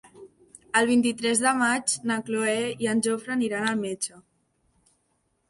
El vint-i-tres de maig na Cloè i en Jofre aniran al metge.